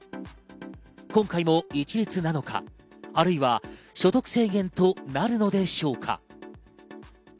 今回も一律なのか、あるいは所得制限となるのでしょうか。